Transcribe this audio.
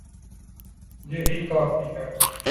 یہی کافی ہے۔